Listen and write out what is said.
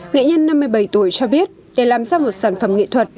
nghệ nhân năm mươi bảy tuổi cho biết để làm ra một sản phẩm nghệ thuật